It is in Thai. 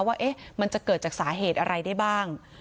ว่ามันจะเกิดจากสาเหตุอะไรได้บ้าง